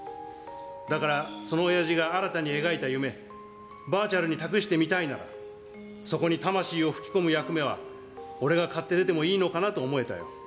だから、そのおやじが新たに描いた夢、バーチャルに託してみたいなら、そこに魂を吹き込む役目は、俺が買って出てもいいのかなと思えたよ。